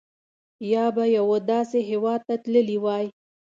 یا به یوه داسې هېواد ته تللي وای.